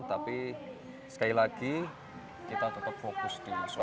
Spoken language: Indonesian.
tapi sekali lagi kita tetap fokus di solo